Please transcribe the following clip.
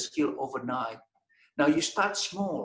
sekarang anda mulai kecil